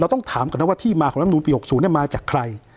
เราต้องถามกันนะว่าที่มาของรัฐมนุนปีหกศูนย์เนี่ยมาจากใคร